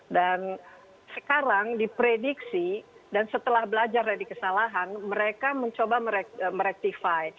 dan sekarang diprediksi dan setelah belajar dari kesalahan mereka mencoba merektifai